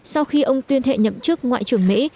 sau khi ông tuyên thệ nhậm chức ngoại trưởng mỹ